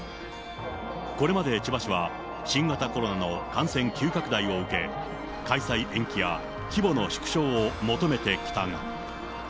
これまで千葉市は、新型コロナの感染急拡大を受け、開催延期や規模の縮小を求めてきたが。